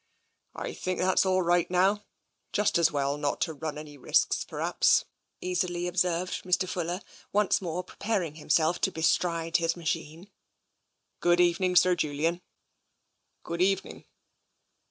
" I think that's all right now. Just as well not to run any risks, perhaps," easily observed Mr. Fuller, once more preparing himself to bestride his machine, " Good evening, Sir Julian." " Good evening."